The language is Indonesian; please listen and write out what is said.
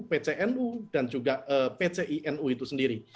pcnu dan juga pcinu itu sendiri